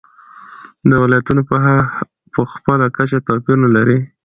دا ولایتونه په خپله کچه توپیرونه لري.